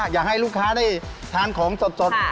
อยากให้ลูกค้าได้ทานของสด